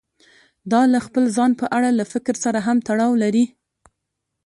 دا له خپل ځان په اړه له فکر سره هم تړاو لري.